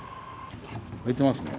開いてますね。